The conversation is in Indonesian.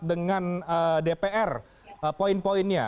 dengan dpr poin poinnya